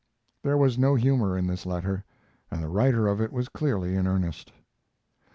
There was no humor in this letter, and the writer of it was clearly in earnest.